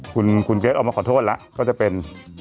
คุณเกรทออกมาขอโทษแล้วก็จะเป็น